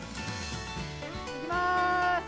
いきまーす！